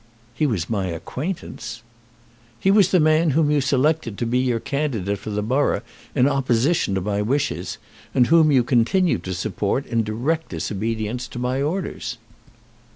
"He was my acquaintance." "He was the man whom you selected to be your candidate for the borough in opposition to my wishes, and whom you continued to support in direct disobedience to my orders."